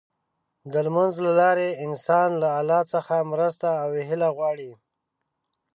د لمونځ له لارې انسان له الله څخه مرسته او هيله غواړي.